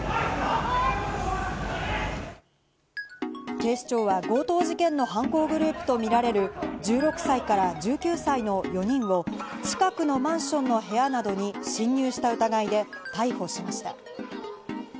警視庁は強盗事件の犯行グループとみられる、１６歳から１９歳の４人を近くのマンションの部屋などに侵入した疑いで逮捕しました。